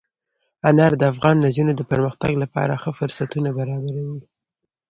انار د افغان نجونو د پرمختګ لپاره ښه فرصتونه برابروي.